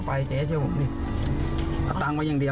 เพียร์๑คือเกรถหอยหลังใช่ปะ